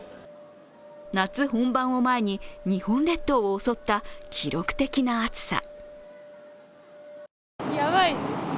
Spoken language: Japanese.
夏本番を前に日本列島を襲った記録的な暑さ。